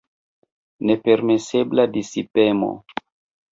Nepermesebla disipemo.